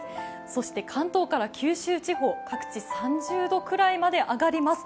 そして関東から九州地方各地３０度くらいまで上がります。